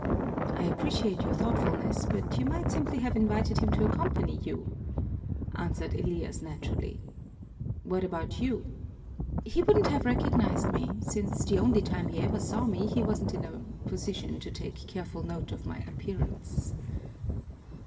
"I appreciate your thoughtfulness, but you might simply have invited him to accompany you," answered Elias naturally. "What about you?" "He wouldn't have recognized me, since the only time he ever saw me he wasn't in a position to take careful note of my appearance."